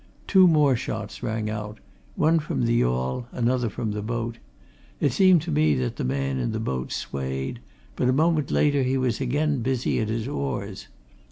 Two more shots rang out one from the yawl, another from the boat. It seemed to me that the man in the boat swayed but a moment later he was again busy at his oars.